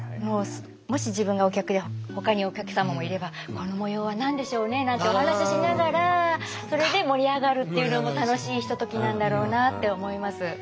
もし自分がお客でほかにお客様もいれば「この模様は何でしょうね」なんてお話ししながらそれで盛り上がるっていうのも楽しいひとときなんだろうなって思います。